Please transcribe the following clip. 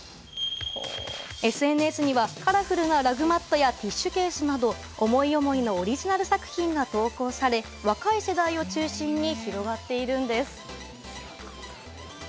ＳＮＳにはカラフルなラグマットやティッシュケースなど思い思いのオリジナル作品が投稿され若い世代を中心に広がっているんです。